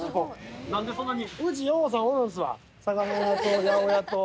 何でそんなに？